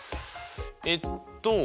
えっと